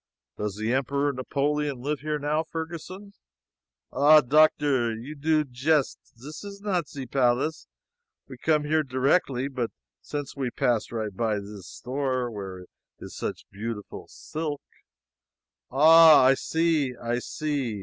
Does the Emperor Napoleon live here now, Ferguson?" "Ah, Doctor! You do jest; zis is not ze palace; we come there directly. But since we pass right by zis store, where is such beautiful silk " "Ah! I see, I see.